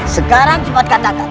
sekarang cepatkan tangan